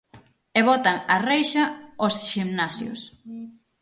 E botan a reixa os ximnasios.